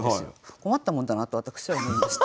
困ったもんだなと私は思いました。